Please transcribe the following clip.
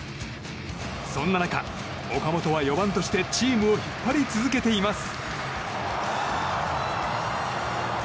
そんな中、岡本は４番としてチームを引っ張り続けています。